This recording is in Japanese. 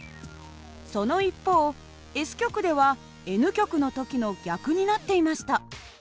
その一方Ｓ極ではＮ極の時の逆になっていました。